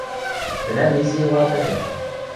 – Тӹнӓм изи ылат ыльы...